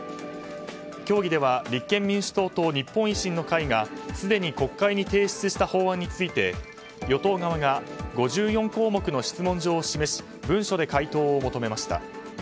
協議では立憲民主党と日本維新の会がすでに国会に提出した法案について与党側が５４項目の質問状を示し文書で回答を求めました。